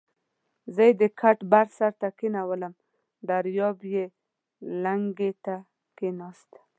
زه یې د کټ بر سر ته کېنولم، دریاب یې لنګې ته کېناست.